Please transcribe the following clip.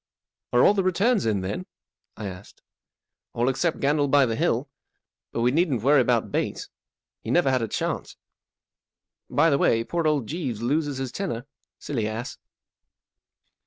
44 Are all the returns in, then ?" I asked. 4 ' All except Gandle by the Hill. But we needn't worry about Bates. He never had a chance. By the way, poor old Jeeves loses his tenner. Silly ass